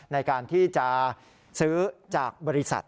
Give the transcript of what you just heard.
ในการที่จะซื้อจากบริษัท